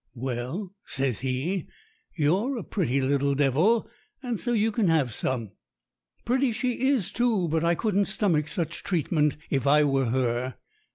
"Well," says he, "you're a pretty little devil, and so you can have some." Pretty she is, too, but I couldn't stomach such treatment if I were her.